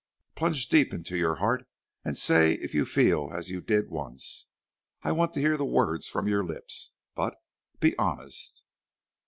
Plunge deep into your heart, and say if you feel as you did once; I want to hear the words from your lips, but be honest."